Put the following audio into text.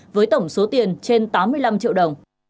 với tổng số tiền trên tám mươi năm triệu đồng